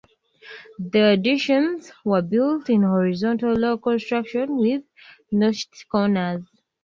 The additions were built in horizontal log construction with notched corners.